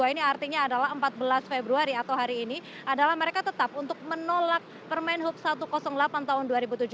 satu ratus empat puluh dua ini artinya adalah empat belas februari atau hari ini adalah mereka tetap untuk menolak permain hub satu ratus delapan tahun dua ribu tujuh belas